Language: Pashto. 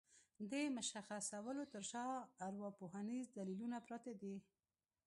د مشخصولو تر شا ارواپوهنيز دليلونه پراته دي.